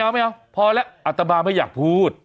เอาไม่เอาพอแล้วอัตมาไม่อยากพูด